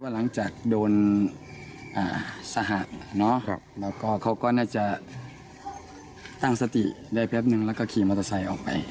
หลังจากโดนสหะแล้วก็เขาก็น่าจะตั้งสติได้แป๊บนึงแล้วก็ขี่มอเตอร์ไซค์ออกไป